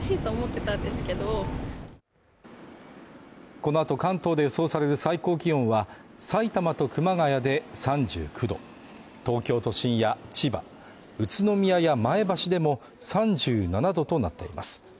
この後、関東で予想される最高気温は、さいたまと熊谷で３９度東京都心や千葉、宇都宮や前橋でも３７度となっています。